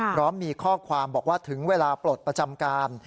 พร้อมมีข้อความบอกว่าถึงเวลาปลดประจำการ